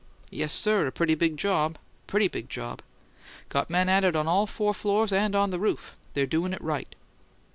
"Yes, sir; a pretty big job a pretty big job. Got men at it on all four floors and on the roof. They're doin' it RIGHT."